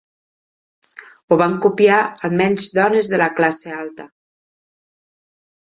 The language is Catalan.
Ho van copiar almenys dones de la classe alta.